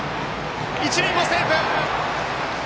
一塁もセーフ！